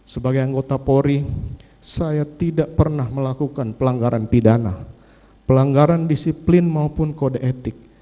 sebagai anggota polri saya tidak pernah melakukan pelanggaran pidana pelanggaran disiplin maupun kode etik